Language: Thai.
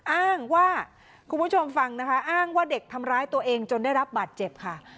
อ้างว่าคุณผู้ชมฟังนะคะอ้างว่าเด็กทำร้ายตัวเองจนได้รับบาดเจ็บค่ะ